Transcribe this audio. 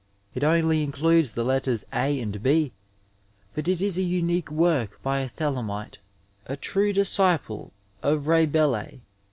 It only includes the letters A and B, but it is a unique work by a Thelemite, a true disciple of Rabelais.